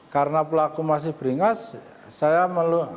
karena pelaku masih beringas saya menembak